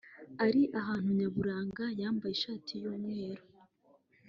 ari ahantu nyaburanga yambaye ishati y’umweru